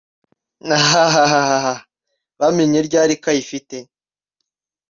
hhhh bamenye ryari ko ayifite???